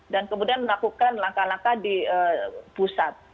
dan kemudian melakukan langkah langkah di pusat